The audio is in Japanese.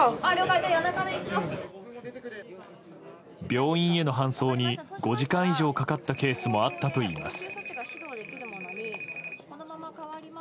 病院への搬送に５時間以上かかったケースもあったといいます。